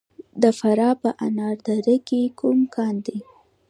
د فراه په انار دره کې کوم کان دی؟